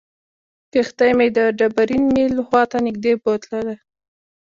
کښتۍ مې د ډبرین میل خواته نږدې بوتلله.